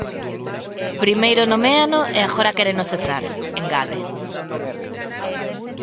"Primeiro noméano e agora quéreno cesar", engade.